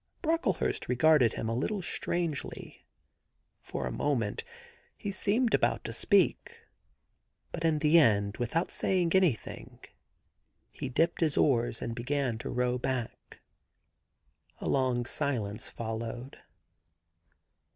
Brocklehurst regarded him a little strangely. For a moment he seemed about to speak, but in the end, without saying an3rthing, he dipped his oars and began to row back. A long silence followed.